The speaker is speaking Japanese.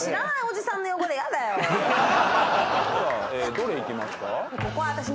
どれいきますか？